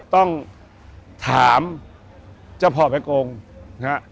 ต้องถามเจ้าพ่อแป๊ะกงครับ